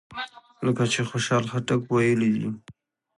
لکه چې خوشحال خټک ویلي دي.